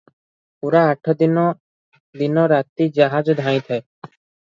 ପୂରା ଆଠ ଦିନ ଦିନ ରାତି ଜାହାଜ ଧାଇଁଥାଏ ।